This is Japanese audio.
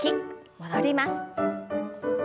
戻ります。